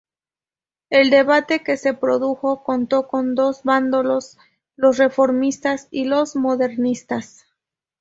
El debate que se produjo contó con dos bandos, los reformistas y los modernistas.